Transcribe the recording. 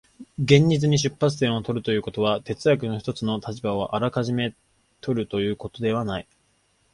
現実に出発点を取るということは、哲学の一つの立場をあらかじめ取るということではない。